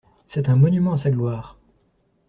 C'est un monument à sa gloire.